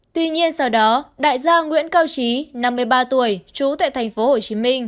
tuy nhiên sau đó đại gia nguyễn cao trí năm mươi ba tuổi trú tại thành phố hội trí